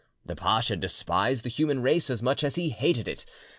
The pasha despised the human race as much as he hated it.